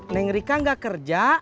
neng rika gak kerja